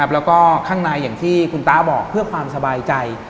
แล้วก็ข้างในอย่างที่คุณตาบอกเพื่อความสบายใจ